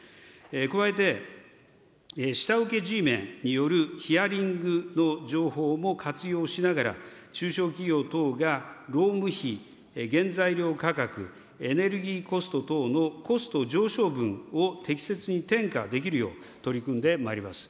加えて、下請けＧメンによるヒアリングの情報も活用しながら、中小企業等が労務費、原材料価格、エネルギーコスト等のコスト上昇分を適切に転嫁できるよう、取り組んでまいります。